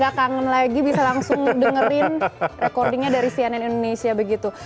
gak kangen lagi bisa langsung dengerin recordingnya dari cnn indonesia begitu